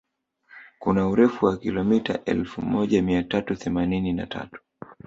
Kuna urefu wa kilomita elfu moja mia tatu themanini na tatu